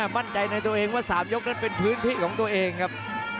มั่นใจในตัวเองว่า๓ยกนั้นเป็นพื้นที่ของตัวเองครับ